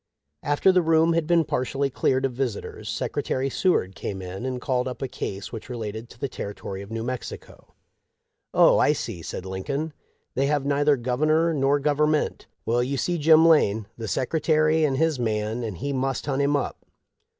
After the room had been partially cleared of visitors Secretary Seward came in and called up a case which related to the territory of New Mexico. ' Oh, I see,' said Lincoln; ' they have neither Governor nor Government. Well, you see Jim Lane ; the secretary is his man, and he must hunt him up.'